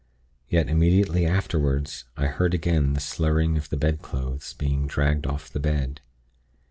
Yet, immediately afterward, I heard again the slurring of the bedclothes being dragged off the bed.